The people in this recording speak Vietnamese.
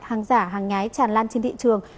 hàng giả hàng nhái tràn lan trên thị trường